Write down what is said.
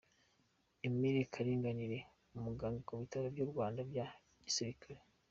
Emile Kalinganire, umuganga mu bitaro by’u Rwanda bya gisirikare.